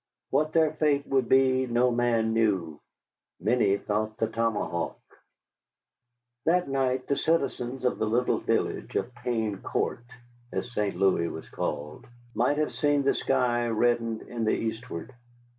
What their fate would be no man knew. Many thought the tomahawk. That night the citizens of the little village of Pain Court, as St. Louis was called, might have seen the sky reddened in the eastward.